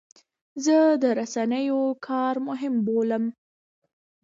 زه د رسنیو کار مهم بولم.